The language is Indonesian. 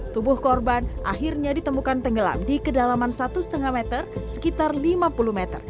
tubuh korban akhirnya ditemukan tenggelam di kedalaman satu lima meter sekitar lima puluh meter